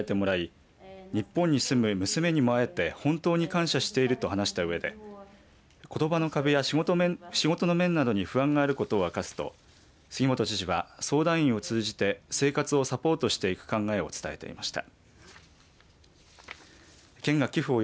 これに対してリューボフィさんが日本の人たちに温かく迎えてもらい日本に住む娘にも会えて本当に感謝していると話したうえでことばの壁や仕事の面などにも不安があることを明かすと杉本知事は、相談員を通じて生活をサポートしていく考えを伝えていました。